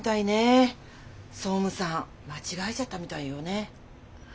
総務さん間違えちゃったみたいよね。